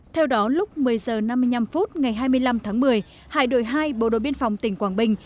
theo đó lúc một mươi h năm mươi năm phút ngày hai mươi năm tháng một mươi hải đội hai bộ đội biên phòng tỉnh quảng bình